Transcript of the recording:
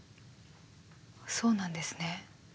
そうなんですね。